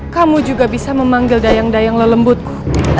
kamu juga bisa memanggil dayang dayang lelembutku